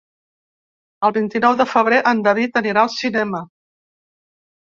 El vint-i-nou de febrer en David anirà al cinema.